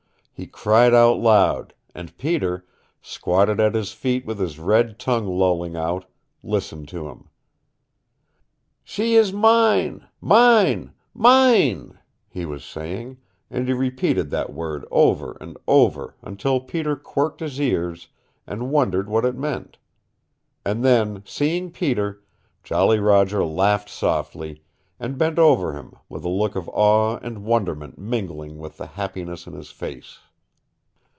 He cried out aloud, and Peter, squatted at his feet with his red tongue lolling out, listened to him. "She is mine, mine, mine," he was saying, and he repeated that word over and over, until Peter quirked his ears, and wondered what it meant. And then, seeing Peter, Jolly Roger laughed softly, and bent over him, with a look of awe and wonderment mingling with the happiness in his face.